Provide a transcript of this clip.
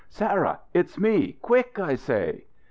"Sarah, it's me! Quick, I say!"